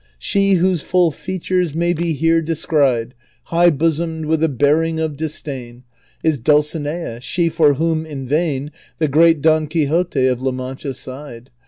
She, whose full features may be here descried, High bosonied, with a bearing of disdain, Is Dulcinea, she for whom in vain The great Don Quixote of La Mancha sighed.